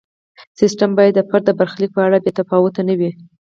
سیستم باید د فرد د برخلیک په اړه بې تفاوت نه وي.